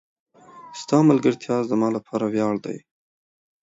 ستا ملګرتیا زما لپاره وياړ دی.